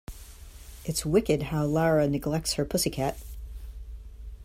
It's wicked how Lara neglects her pussy cat.